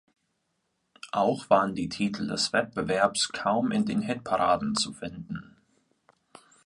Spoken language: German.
Auch waren die Titel des Wettbewerbs kaum in den Hitparaden zu finden.